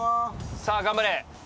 さぁ頑張れ！